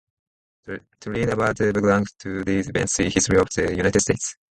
To read about the background to these events, see History of the United States.